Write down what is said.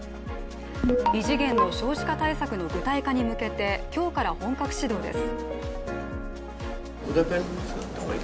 異次元の少子化対策の具体化に向けて今日から本格始動です。